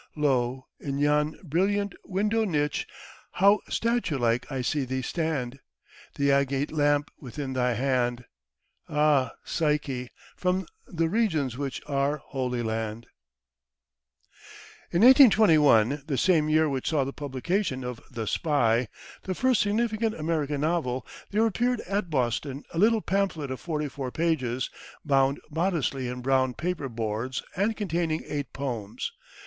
Lo! in yon brilliant window niche How statue like I see thee stand, The agate lamp within thy hand! Ah, Psyche, from the regions which Are Holy Land! In 1821 the same year which saw the publication of The Spy, the first significant American novel there appeared at Boston a little pamphlet of forty four pages, bound modestly in brown paper boards, and containing eight poems.